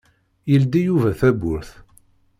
Yeldi Yuba tawwurt.